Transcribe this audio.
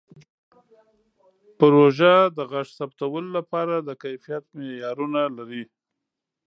پروژه د غږ ثبتولو لپاره د کیفیت معیارونه لري.